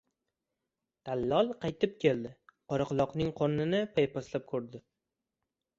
Dallol qaytib keldi. Qoraquloqning qornini paypaslab ko‘rdi.